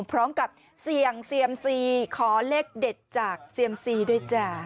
พร้อมกับเสี่ยงเซียมซีขอเลขเด็ดจากเซียมซีด้วยจ้า